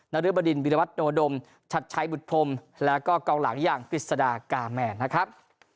นริบดินวิทยาวัฒนโดมชัดใช้บุตรพรมและก็กองหลังอย่างพิสดากาแมนนะครับ